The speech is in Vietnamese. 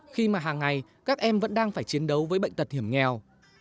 khi mà hàng ngày các em vẫn đang phải chiến đấu với bệnh tật hiểm nghèo